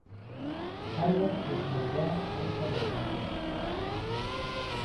ههر وهک پێشمهرگه روو بکه له سهنگهر